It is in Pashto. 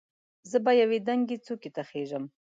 زه به یوې دنګې څوکې ته خېژم.